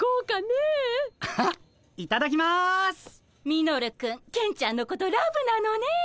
ミノルくんケンちゃんのことラブなのね。